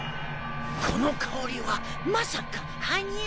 この香りはまさかはにゃ。